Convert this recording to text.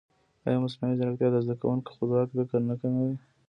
ایا مصنوعي ځیرکتیا د زده کوونکي خپلواک فکر نه کموي؟